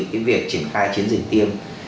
cái việc triển khai chiến dịch tiêm